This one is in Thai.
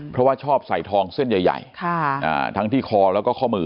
เพราะว่าชอบใส่ทองเส้นใหญ่ทั้งที่คอแล้วก็ข้อมือ